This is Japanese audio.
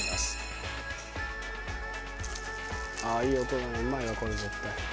「ああいい音だね。